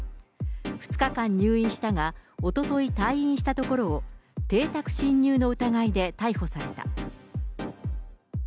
２日間入院したが、おととい退院したところを、邸宅侵入の疑いで逮捕された。